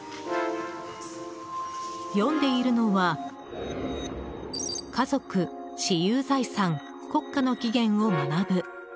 読んでいるのは「家族・私有財産・国家の起源を学ぶ」